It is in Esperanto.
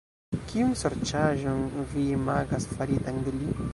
Kiun sorĉaĵon vi imagas, faritan de li?